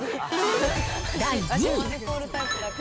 第２位。